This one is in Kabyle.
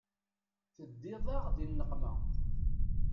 Teddiḍ-aɣ di nneqma.